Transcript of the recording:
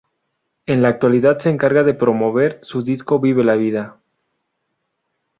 En la actualidad se encarga de promover su disco "Vive la vida".